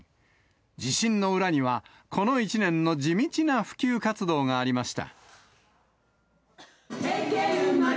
自信の裏には、この１年の地道な普及活動がありました。